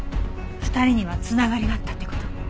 ２人には繋がりがあったって事？